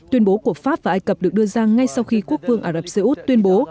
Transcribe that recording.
tuyên bố của pháp và ai cập được đưa ra ngay sau khi quốc vương ả rập xê út tuyên bố